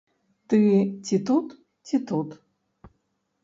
Ты ці тут, ці тут.